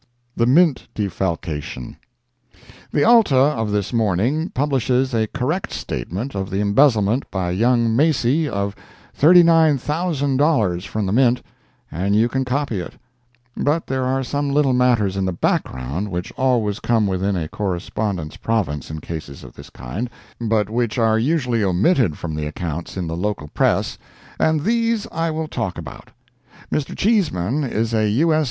THE MINT DEFALCATION The Alta of this morning publishes a correct statement of the embezzlement by young Macy of $39,000 from the mint, and you can copy it; but there are some little matters in the background which always come within a correspondent's province in cases of this kind, but which are usually omitted from the accounts in the local press, and these I will talk about. Mr. Cheeseman is U.S.